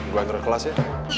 gue antar kelas ya